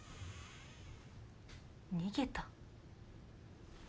逃げた。